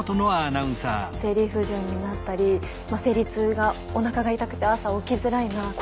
生理不順になったり生理痛がおなかが痛くて朝起きづらいな。